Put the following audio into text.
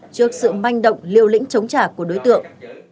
trước sự manh động liều lĩnh chống trả của đối tượng